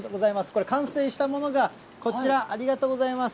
これ、完成したものが、こちら、ありがとうございます。